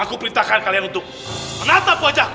aku perintahkan kalian untuk menatap wajah